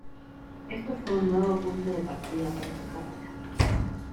Esto fue un nuevo punto de partida para su carrera.